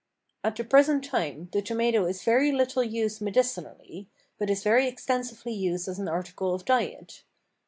At the present time the tomato is very little used medicinally, but is very extensively used as an article of diet.